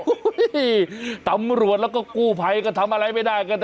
ตำรวจแล้วก็กู้ภัยก็ทำอะไรไม่ได้กัน